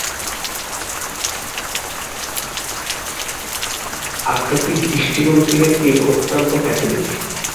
আধ্যাত্মিক দৃষ্টিকোণ থেকে তিনি অত্যন্ত ক্যাথোলিক।